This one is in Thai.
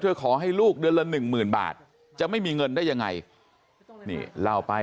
ขอให้ลูกเดือนละหนึ่งหมื่นบาทจะไม่มีเงินได้ยังไงนี่เล่าไป